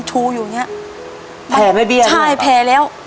ใช่แผลแล้ว